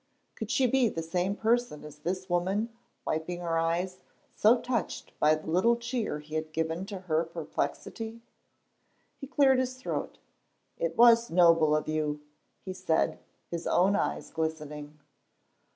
Could she be the same person as this woman, wiping her eyes, so touched by the little cheer he had given to her perplexity? He cleared his throat. "It was noble of you," he said, his own eyes glistening.